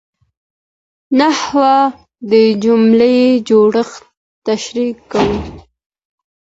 نحوه د جملې جوړښت تشریح کوي.